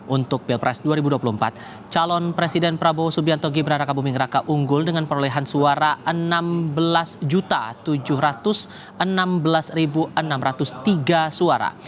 untuk pilpres dua ribu dua puluh empat calon presiden prabowo subianto gibran raka buming raka unggul dengan perolehan suara enam belas tujuh ratus enam belas enam ratus tiga suara